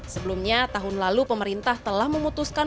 sebelumnya tahun lalu pemerintah telah memutuskan